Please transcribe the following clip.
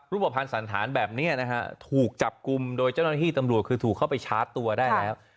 รูปภัณฑ์สันธารแบบนี้นะฮะถูกจับกลุ่มโดยเจ้าหน้าที่ตำรวจคือถูกเข้าไปชาร์จตัวได้แล้ว